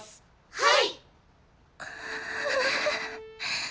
はい！